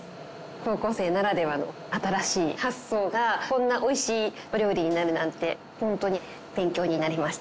高校生ならではの新しい発想がこんなおいしいお料理になるなんてホントに勉強になりました